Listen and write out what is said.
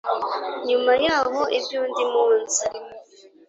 Nyuma yaho iby undi munsi